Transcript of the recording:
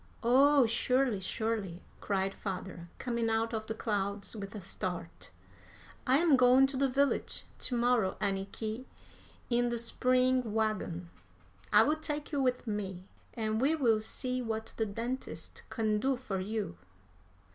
"Oh, surely, surely!" cried father, coming out of the clouds with a start. "I am going to the village to morrow, Anniky, in the spring wagon. I will take you with me, and we will see what the dentist can do for you."